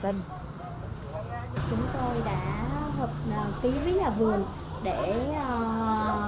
chúng tôi đã hợp ký với nhà vườn để ký kết với nông dân